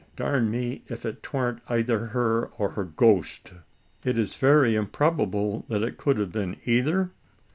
Darn me, ef 'twan't eyther her or her ghost!" "It is very improbable that it could have been either?"